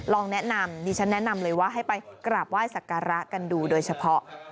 ลองแนะนำดิฉันแนะนำเลยว่าให้ไปกราบไหว้สักการะกันดูโดยเฉพาะ